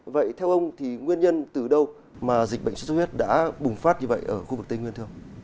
vậy theo ông thì nguyên nhân từ đâu mà dịch bệnh xuất xuất huyết đã bùng phát như vậy ở khu vực tây nguyên thưa ông